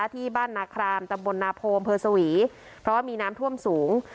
ที่บ้านนาครามตำบลนาโพอำเภอสวีเพราะว่ามีน้ำท่วมสูง